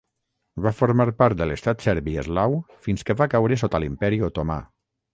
Va formar part de l'estat serbi eslau fins que va caure sota l'Imperi Otomà.